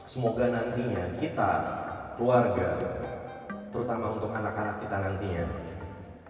semoga nantinya kita keluarga terutama untuk anak anak kita nantinya